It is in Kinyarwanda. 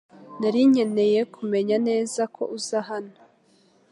Nari nkeneye kumenya neza ko uza hano .